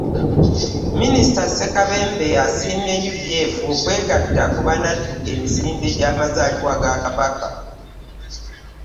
Minisita Ssekabembe asiimye UBF okwegatta ku banadduka emisinde gy'amazaalibwa ga Kabaka